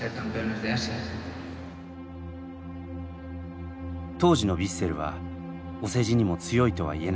当時のヴィッセルはお世辞にも強いとは言えなかった。